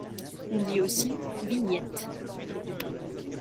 On dit aussi vignette.